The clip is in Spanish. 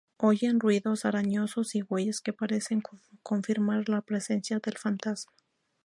Oyen ruidos, arañazos y huellas que parecen confirmar la presencia del fantasma.